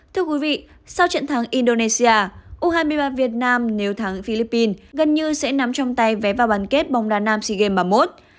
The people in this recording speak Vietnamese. thưa quý vị sau trận thắng indonesia u hai mươi ba việt nam nếu thắng philippines gần như sẽ nắm trong tay vé vào bán kết bóng đa nam sea games ba mươi một